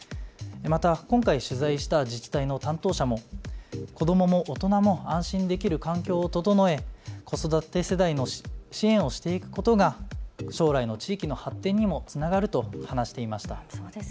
また今回、取材した自治体の担当者も子どもも大人も安心できる環境を整え子育て世帯を支援していくことが将来の地域の発展にもつながると話していました。